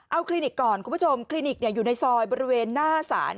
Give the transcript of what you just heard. เอาคลินิกก่อนคุณผู้ชมคลินิกอยู่ในซอยบริเวณหน้าศาล